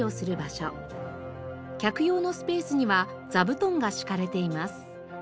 客用のスペースには座布団が敷かれています。